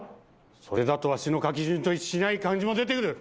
それだとわしの書き順と一致しない漢字も出てくる！